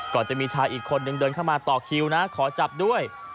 ก็จะมีชายอีกคนนึงเดินเข้ามาต่อคิวนะขอจับด้วย